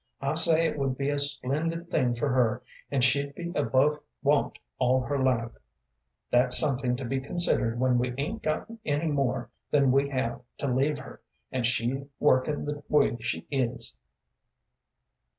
I say it would be a splendid thing for her, and she'd be above want all her life that's something to be considered when we 'ain't got any more than we have to leave her, and she workin' the way she is."